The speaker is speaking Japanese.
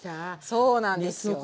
そうなんですよ。ね